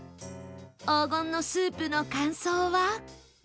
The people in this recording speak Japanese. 黄金のスープの感想は？